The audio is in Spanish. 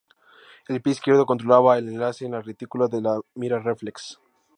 El pie izquierdo controlaba el alcance en la retícula de la mira reflex.